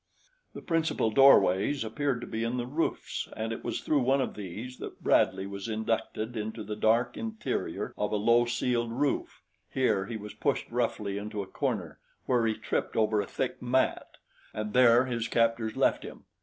The principal doorways appeared to be in the roofs, and it was through one of these that Bradley was inducted into the dark interior of a low ceiled room. Here he was pushed roughly into a corner where he tripped over a thick mat, and there his captors left him.